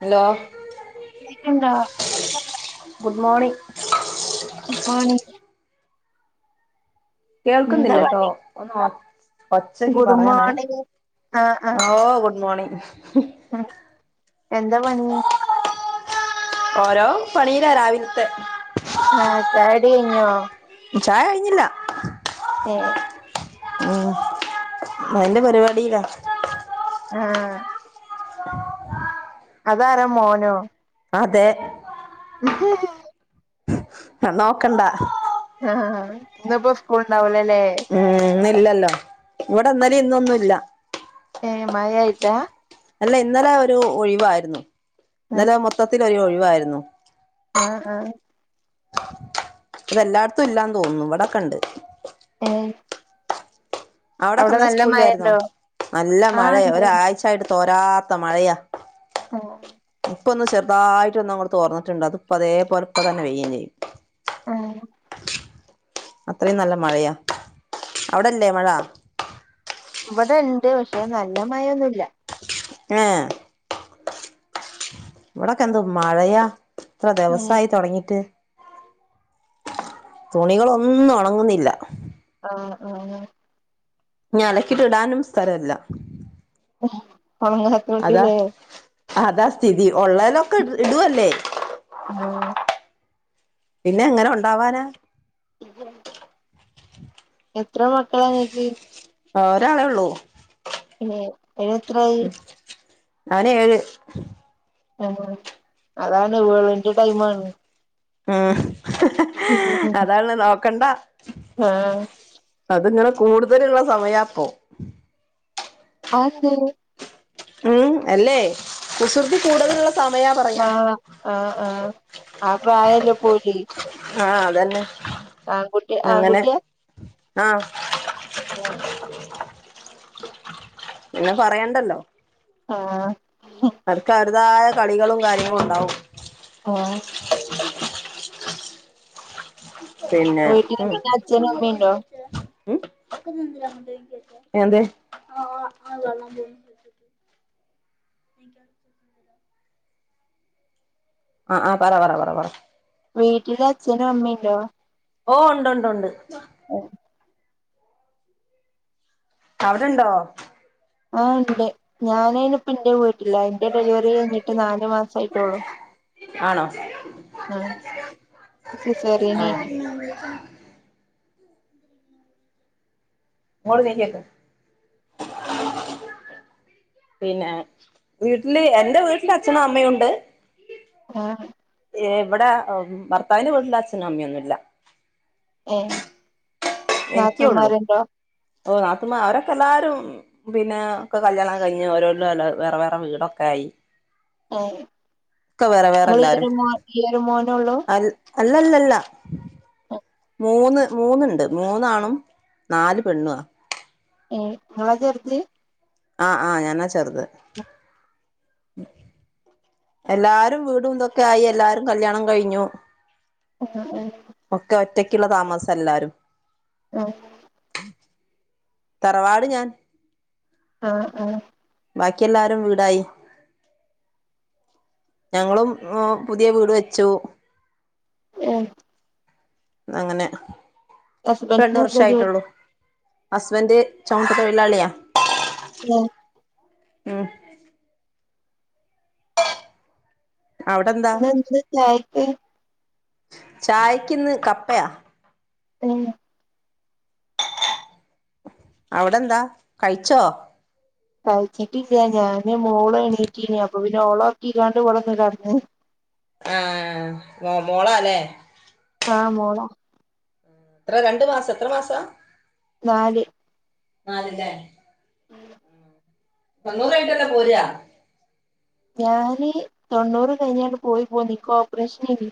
Hello ക്കണ്ടാ good morning good morning എന്താ കേൾക്കുന്നില്ലട്ടോ പണി ഒന്ന് ഒർ ഒച്ചക്ക് ഗുഡ് പറയണേ മോർണിംഗ് ഓ ഗുഡ് മോർണിംഗ് ഉം എന്താ പണി ഓരോ പണിയിലാ രാവിലത്തെ ആഹ് ചായോടി കഴിഞ്ഞോ ചായ കഴിഞ്ഞില്ല മ് ഉം അതിന്റെ പരിപാടിയില ആഹ് അതാരാ മോനോ? അതെ ഉ ഹ നോക്കണ്ട ആഹ് ഇന്നിപ്പോ സ്കൂൾ ഉണ്ടാവൂലല്ലേ ഉം ഇനില്ലല്ലോ ഇവിടെ ന്നലേം ഇന്നൊന്നുമില്ല ഏ മാഴയായിട്ടാ അല്ല ഇന്നലെ ഒരു ഒഴിവായിരുന്നു ഏഹ് ഇന്നലെ മൊത്തത്തിൽ ഒരു ഒഴിവായിരുന്നു ആഹ് ആഹ് ഇതെല്ലായിടത്തും ഇല്ലാന്ന് തോന്നുന്നു ഇവിടെക്കണ്ട് ഏഹ് അവിടെ അവിടക്കെന്നാ നല്ല സ്കൂളില്ലായിരുന്നോ മഴണ്ടോ നല്ല ആഹ് മഴയ ഇണ്ട് ഒരാഴ്ചായിട്ട് തോരാത്ത മഴയാ ഓ ഇപ്പൊന്ന് ചെറുതായിട്ട ഒന്ന് തോർന്നിട്ട് ഉണ്ട് അത് ഇപ്പ അതേപലെ ഇപ്പ തന്നെ പേയും ചെയ്യും ആം അത്രയും നല്ല മഴയാ അവിടെല്ലേ മഴ ഇവിടെ ഇണ്ട് പക്ഷെ നല്ല മഴൊന്നുമല്ല ഏ ഇവിടൊക്കെ ന്ത് മഴയാ എത്ര ഏഹ് ദിവസായി തുടങ്ങിട്ട് തുണികളൊന്നും ഉണങ്ങുന്നില്ല ആഹ് അതേ അതേ ഞ അലക്കിട്ട് ഇടാനും സ്ഥലല്ല [unintelligible] അതാ അതാ സ്ഥിതി ഉള്ളലൊക്കെ ഇടുവല്ലേ ആഹ് പിന്നെ എങ്ങനെ ഉണ്ടാവാനാ [unintelligible] എത്ര മക്കളാ നിങ്ങൾക്ക് ആ ഒരാളെ ഉള്ളൂ എ അയ്ന് എത്രായി അവന് ഏഴ് ആ അതാണ് വെള്ന്റെ ടൈമാണ് ഉം അതാണ്ഉള്ളത് നോക്കണ്ട.. ആഹ് അതിങ്ങനെ കൂടുതലുള്ള സമയപ്പോ.. ആതെന്തെ.. ഉം അല്ലേ കുസൃതി കൂടുതലുള്ള.. സമയാ.. പറയാ ആഹ ആഹ ആഹ അ പ്രായല്ലോ പ്പ ഓല്ക്ക്.. ആഹ് അതന്നെ.. ആൺ കുട്ടി ആൺ അങ്ങനെ കുട്ടിയ.. ആഹ്.. ആ.. പിന്നെ പറയണ്ടല്ലോ.. ആഹ.. അവർക്ക് അവര്തായ കളികളും കാര്യങ്ങളും ഉണ്ടാവും.. ആഹ.. പിന്നെ വീട്ടില് ഉം.. പിന്നെ അച്ഛനും അമ്മയുണ്ടോ ഉം [inaudible] [inaudible] ആഹ് ആ പറ പറ പറ പറ.. വീട്ടില് അച്ഛനും അമ്മീംണ്ടോ.. ഓ ഉണ്ട് ഉണ്ട് ഉണ്ട്.. [unintelligible] അവിടുണ്ടോ.. ആ ഉണ്ട് ഞാനയിന്പ്പന്റെ വീട്ടില്ല എന്റെ ഡെലിവറി കഴിഞ്ഞിട്ട് നാലു മാസം ആയിട്ടെള്ളൂ ആണോ ആഹ് സിസേറിയനെയ്ന്ന് [inaudible] ഇങ്ങോട്ട്‌ നീക്കി വെക്ക് പിന്നെ വീട്ടില് എന്റെ വീട്ടില് അച്ഛനും അമ്മയും ഉണ്ട് ആഹ് ഏ ഇവിടെ ഭർത്താവിന്റെ വീട്ടിൽ അച്ഛനും അമ്മയൊന്നും ഇല്ല ഏ എനിക്കെ ഉള്ളൂ ഓ നാത്തുമ്മാര് അവരൊക്കെ എല്ലാരും പിന്നെ ഒക്കെ കല്യാണം കഴിഞ്ഞ് ഓരോല്ലും ഓല് വേറെ വേറെ വീടൊക്കെ ആയി ഉം ഒക്കെ വേറെ വേറെ നിങ്ങൾ ഈ എല്ലാരും ഒര് മോൻ ഈഒര് മോനെള്ളൂ അ അല്ലല്ലല്ല ഉം.. മൂന്ന് മൂന്നുണ്ട് മൂന്നാണും നാല് പെണ്ണാ ഏ ഇങ്ങാളാ ചെർത് ആ ആ ഞാനാ ചെർത് എല്ലാരും വീടും ഇതൊക്കെ ആയി എല്ലാരും കല്യാണം കഴിഞ്ഞു [inaudible] ഒക്കെ ഒറ്റക്കുള്ള താമസം എല്ലാരും ആഹ് തറവാട് ഞാൻ ആഹ് ആഹ് ബാക്കി എല്ലാരും വീടായി ഞങ്ങളും പുതിയ വീട് വെച്ചു ഏ അങ്ങനെ ഇപ്പം രണ്ട് ഹസ്ബൻഡിന് എന്താ ജോലി വർഷായിട്ടോള്ളൂ ഹസ്ബൻ് ചുമട്ടു തൊഴിലാളിയാ ഹലോ ഉം അവിടെന്താ ഇന്നെന്താ ചായക്ക് ചായക്ക് ഇന്ന് കപ്പയാ [unintelligible] അവിടെന്താ കഴിച്ചോ കഴിച്ചിട്ടില്ല ഞാന് മോള് എണീറ്റിനി അപ്പൊ പിന്നെ ഓളെ ഒർക്കിങ്ങാണ്ട് ഇവടെ വന്ന് കെടന്ന് ആഹ് മോളാല്ലേ ആ മോളാ എത്ര രണ്ടു മാസം എത്ര മാസാ നാല് നാല് ലേ തൊണ്ണൂറ് കഴിഞ്ഞിട്ടല്ലേ പോര്യാ ഞാന് തൊണ്ണൂറ് കഴിഞ്ഞാട്ട് പോയി പോന്ന് ഇന്ക് ഓപ്പറേഷൻയെനി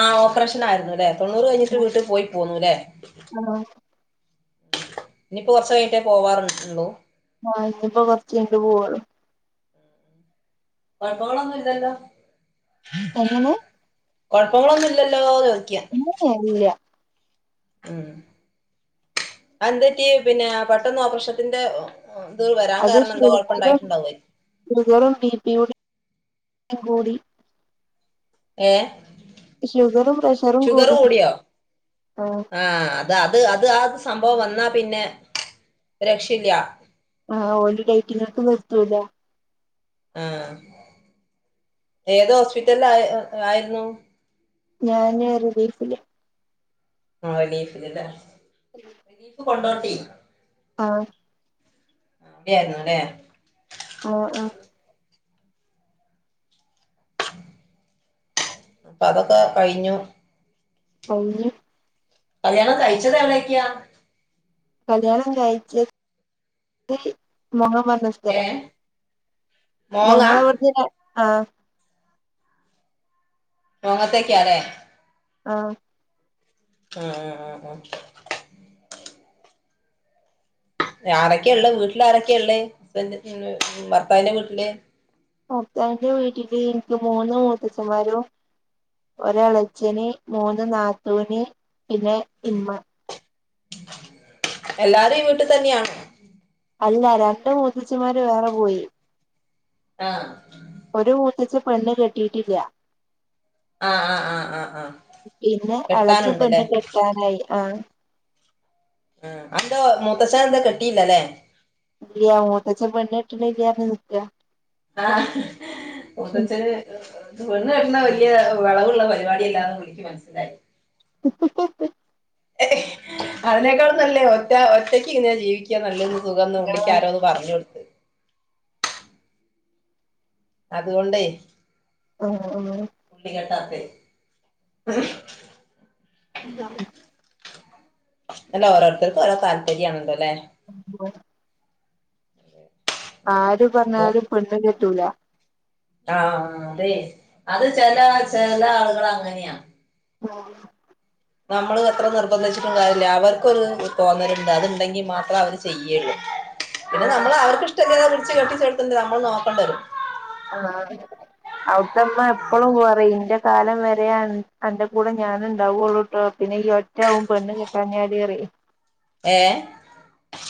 ആഹ് ഓപ്പറേഷൻ ആയിരുന്നുല്ലേ തൊണ്ണൂറ് കഴിഞ്ഞിട്ട് വീട്ടിൽ പോയി പോന്നുല്ലേ ആഹ് ഇനിയിപ്പോ കുറച്ചു കഴിഞ്ഞിട്ടേ പോവാറുള്ളൂ ആഹ് ഇഞ്പ്പോ കൊർച്ച് കഴിഞ്ഞിട്ട് പോവൊള്ളു കോഴപ്പങ്ങളൊന്നും ഇല്ലല്ലോ എങ്ങനെ കൊഴപ്പങ്ങളൊന്നും ഇല്ലല്ലോ ചോദിക ഏഹ് ഇല്ല ഉം അഹ് എന്തുപറ്റി പിന്നെ പെട്ടെന്ന് ഓപ്പറേഷത്തിന്റെ ഇത് വരാൻ അത് കാരണം എന്തോ കൊയപ്പം ഷുഗറും ഇണ്ടായിട്ടുണ്ടാവെ ഷുഗറും, ബിപിയും ടിം കൂടി ഏഹ് ഷുഗറും പ്രഷറും ഷുഗറ് കൂടി കൂടിയോ ആഹ് അത് അത് അത് ആഹ് സംഭവം വന്നാ പിന്നെ രക്ഷല്ല ആഹ് ഓല് ഡേറ്റിങ്ങക്ക് നിർത്തൂല ആഹ് ഏത് ഹോസ്പിറ്റലിൽ ആഹ് ആയിരുന്നു ഞാന് റിലീഫില് ആഹ് ലീഫില് ല്ലേ റിലീഫ് കൊണ്ടോട്ടീ ആഹ് [unintelligible] ആഹ് ആഹ് ഇപ്പ അതൊക്കെ കഴിഞ്ഞു [unintelligible] കല്ല്യാണം കഴിച്ചത് എവടെക്യ? കല്യാണം കഴിച്ചത് മോങ്ങം ഭാഗം ഏഹ് മോങ്ങ ഞങ്ങളെ ഇവട്ന്ന് ര ആഹ് മോങ്ങത്തെക്കാലെ ആഹ് ആഹ് ആഹ് ആഹ് ആരൊക്കെ ഇള്ളെ വീട്ടില് ആരൊക്കെയാ ഇള്ളേ ഭർത്താവിന്റെ വീട്ടില് ഭർത്താവിന്റെ വീട്ടില് ഇൻക്ക് മൂന്ന് മൂത്തച്ഛന്മാരും ഒരു എളച്ചന്, മൂന്ന് നാത്തൂന്, പിന്നെ ഇമ്മ എല്ലാരും ഈ വീട്ടിൽ തന്നെയാണോ? അല്ല രണ്ട് മൂത്തച്ചിമാര് വേറെ പോയി ആഹ് ഒരു മൂത്തച്ഛൻ പെണ്ണ് കെട്ടിട്ടില്ല ആഹ് ആഹ് ആഹ് ആഹ് ആഹ് പിന്നെ എളചൻ കെട്ടാനുണ്ടല്ലേ പെണ്ണ് കെട്ടാനായി ആഹ് ആഹ് അതന്താ മൂത്തച്ഛൻ എന്താ കെട്ടില്ലല്ലേ? ഇല്യ മുത്തച്ഛൻ പെണ്ണ് കെട്ട്ണില്ല പർഞ് നിക്ക ആഹ് മൂത്തച്ഛന് പെണ്ണ് കെട്ട്ണത് വെല്യേ വെളവുള്ള പരിപാടിയല്ലാന്ന് പുള്ളിക്ക്‌ മനസ്സിലായി ഉം അതിനേക്കാളും നല്ലേ ഒറ്റ ഒറ്റക്ക് ഇങ്ങനെ ജീവിക്ക നല്ലതെന്ന് സുഖംന്ന് പുള്ളിക്ക് ആഹ് ആരോ പറഞ് കോടുത് അതുകൊണ്ടെ ആഹ് ആഹ് [unintelligible] ആഹ് അല്ല ഓരോര്ത്തർക്ക് ഓരോ താല്പര്യാണലോലെ [unintelligible] അങ്ങനെ ആര് ആവുമ്പോ പർഞ്ഞാലും പെണ്ണ് കെട്ടൂല ആഹ്‌ അതെയ് അത് ചെലാ ചെല ആളുകള് അങ്ങനെയാ. ഉം. ന്നമ്മള് അത്ര നിർബന്ധിച്ചിട്ടും കാര്യല്ല അവർക്കൊരു തോന്നല്ണ്ട്, അതുണ്ടെങ്കി മാത്രേ അവര് ചെയ്യേള്ളൂ. പിന്നെ ആഹ് നമ്മള് അവർക്ക് ഇഷ്ട്ടല്ല്യാ പിടിച്ച് കെട്ടിച്ചെടുത്തണ്ട നമ്മള് നോക്കണ്ടരും. ആഹ്‌. അവിട്ത്തമ്മാ എപ്പളും പറയും ഇന്റെ കാലം വരെ അൻ അന്റെ കൂടെ ഞാന്ണ്ടാവുള്ളൂട്ടോ പിന്നെ ഈ ഒറ്റ ആവും പെണ്ണ് കിട്ടാഞ്ഞാല് അറിം. ഏ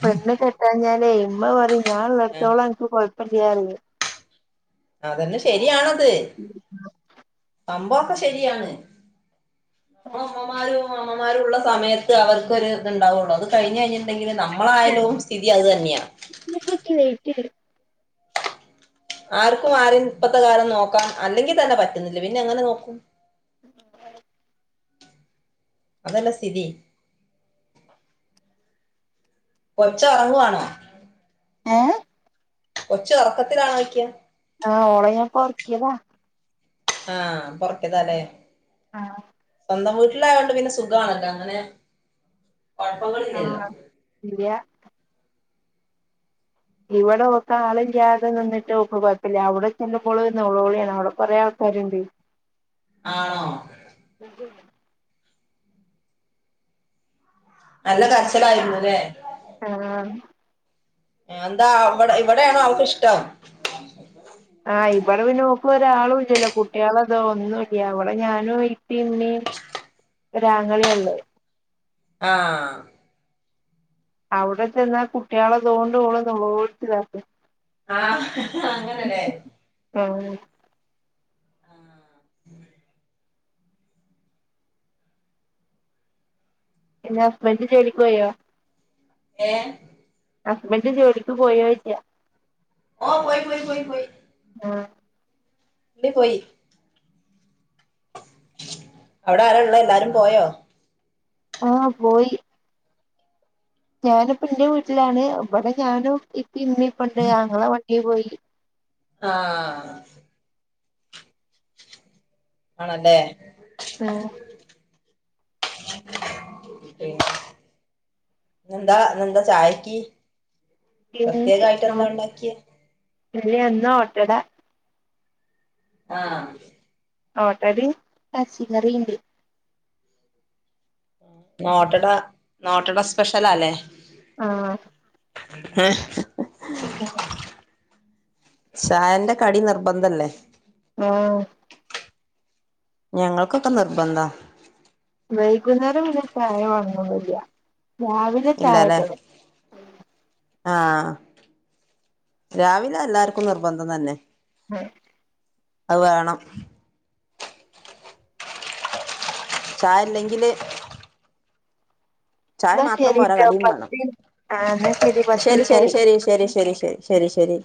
പെണ്ണ് കെട്ടാഞ്ഞാലേ ഇമ്മ പറിം ഞാൻള്ളടത്തോളൻ ക്ക് കൊഴപ്പല്ല്യാറിം. അതന്നെ ശരിയാണത് സംഭവൊക്കെ ശരിയാണ്. ഉമ്മമാരും അമ്മമാരുള്ള സമയത്ത് അവർക്കൊരു ഇത്ണ്ടാവുള്ളൂ അത് കഴിഞ്ഞ് കഴിഞ്ഞിണ്ടെങ്കില് നമ്മളായാലും സ്ഥിതി അത് തന്നെയാ. ല്ഫക്ക് ലൈറ്റ് ആർക്കും ആരിം ഇപ്പത്തെ കാലം നോക്കാം അല്ലെങ്കി തന്നെ പറ്റുന്നില്ല പിന്നെ എങ്ങനെ നോക്കും. ഉം ന്താപാട്? അതല്ലേ സ്ഥിതി കൊച്ച ഒറങ്ങുവാണോ? ഏഹ്? കൊച്ചു ഒറക്കത്തിലാണോയ്ക്കാ. ആഹ് ഓളെ ഞാപ്പൊ ഒർക്കിയതാ. ആഹ്‌ പ്പൊറക്കിയതാലേ. ആഹ്‌. സ്വന്തം വീട്ടിലായോണ്ട് പിന്നെ സുഖാണല്ലോ അങ്ങനെ കൊഴപ്പങ്ങളില്ലല്ലോ. ആഹ് ഇല്ല്യ. ഇവടെ ഓക്ക്‌ ആള് ഇല്ല്യാതെ നിന്ന്ട്ട് ഓക്ക് കൊയപ്പല്ല്യാ, അവടെ ചെല്ലുമ്പോള് നോളോളിയാണ് അവടെ കൊറേ ആൾക്കാര്ണ്ട്. [inaudible] ആണോ? [unintelligible] നല്ല കരച്ചിലായിരുന്നുല്ലേ ആഹ്‌. എന്താ അവടെ ഇവടെയാണോ അവക്ക് ഇഷ്ടം? ആഹ് ഇവടെ പിന്നെ ഓക് ഒരാളും ഇല്ലല്ലോ കുട്ട്യാളെതൊന്നുല്ല്യാ വടെ ഞാനും ഇപ്പി ഇമ്മീം ഒരാആങ്ങളീള്ളത്. ആഹ്‌. അവടെ ചെന്നാ കുട്ട്യാളെ തോണ്ട് ഓള് നൊലോൾച്ച്താക്കും. ആഹ്‌ അങ്ങനെലെ. അഹ്‌ ഉം. പിന്നെ ഹസ്ബന്റ് ജോലിക്ക് പോയോ? ഏഹ്? ഹസ്ബന്റ് ജോലിക്ക് പോയോയ്ച്ച്ആ. ഓഹ്‌ പോയി പോയി പോയി പോയി. ആഹ്. ന്റിം പോയി. അവടെ ആരാള്ളേ എല്ലാരും പോയോ? ആഹ് പോയി. ഞാനിപ്പ എന്റ വീട്ട്ലാണ് ഇബട ഞാനും ഇപ്പേം ഇമ്മി ഇപ്പണ്ട് അങ്ങള വണ്ടി പോയി ആഹ് ആണല്ലേ പിന്നെ പി ന്നെന്താ ഇന്നന്താ ചായക്ക് പ്രത്യേകായ്ട്ട് എന്താ ഒണ്ടാക്കിയെ ഇനി എന്നാ ഓട്ടട ആഹ് ഓട്ടടയും എറച്ചി കറീണ്ട് ന്നോട്ടട ന്നൊട്ടട സ്പെഷ്യലാല്ലേ ആഹ് ഏഹ് [unintelligible] ചായന്റ കടി നിർബന്ധല്ലേ ആഹ് ഞങ്ങൾക്കൊക്ക നിർബന്ധാ വൈകുന്നേരം പിന്നൊര് ചായ വെണോന്ന് ഒന്നൂല്ല്യ രാവി ഇല്ലാലെ ആഹ് രാവില എല്ലാർക്കും നിർബന്ധം തന്നെ ആഹ് അഹ് വേണം ചായല്ലെങ്കില് ചായ എന്നാ മാത്രം പോരാ ശരിട്ടോ കടിയും വേണം പത്ത് ആഹ് എന്നാ പത്ത് ശരി മിനിറ്റായി ശരി ശരി ശരി ശരി ശരി ശരി ശരി